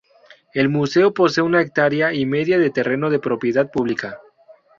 El Museo posee una hectárea y media de terreno de propiedad pública.